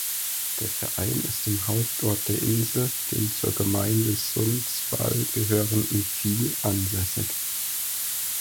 Der Verein ist im Hauptort der Insel, dem zur Gemeinde Sundsvall gehörenden Vi, ansässig.